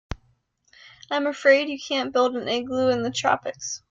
I'm afraid you can't build an igloo in the tropics.